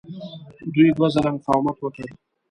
دوی دوه ځله مقاومت وکړ.